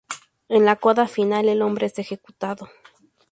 En la coda final, el hombre es ejecutado.